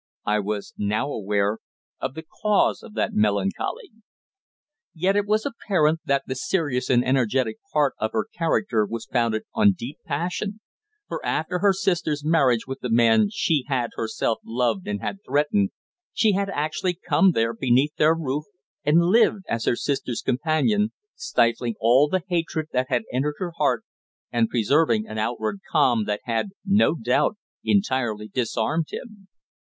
I was now aware of the cause of that melancholy. Yet it was apparent that the serious and energetic part of her character was founded on deep passion, for after her sister's marriage with the man she had herself loved and had threatened, she had actually come there beneath their roof, and lived as her sister's companion, stifling all the hatred that had entered her heart, and preserving an outward calm that had no doubt entirely disarmed him.